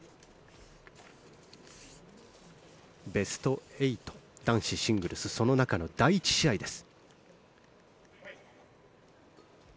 ベスト８、男子シングルスその中の第１試合です。